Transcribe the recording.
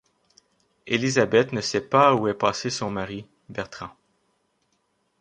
Elizabeth ne sait pas où est passé son mari, Bertrand.